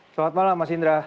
selamat malam mas indra